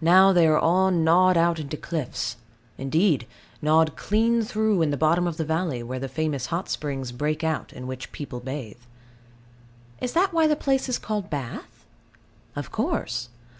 Now they are all gnawed out into cliffs, indeed gnawed clean through in the bottom of the valley, where the famous hot springs break out in which people bathe. Is that why the place is called Bath? Of course.